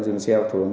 dừng xe ô thường